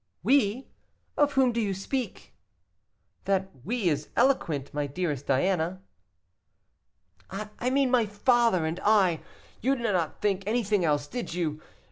"'We!' of whom do you speak? That 'we' is eloquent, my dearest Diana." "I mean my father and I; you did not think anything else, did you?